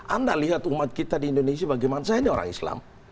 anda lihat umat kita di indonesia bagaimana saya ini orang islam